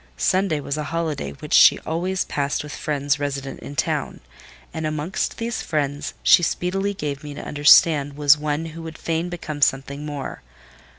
Sunday was a holiday which she always passed with friends resident in town; and amongst these friends she speedily gave me to understand was one who would fain become something more.